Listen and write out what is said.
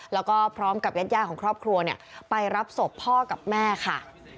แล้วก็พร้อมกับญาติของครอบครัวไปรับศพพ่อกับแม่ค่ะ